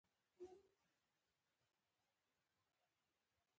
د نومبر د لمر وړانګې له کړکۍ څخه راتلې.